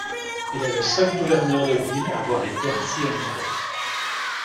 Il est le seul gouverneur de l'île à avoir été ainsi honoré.